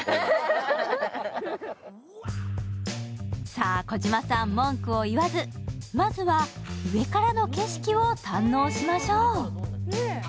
さあ、児嶋さん、文句を言わず、まずは上からの景色を堪能しましょう。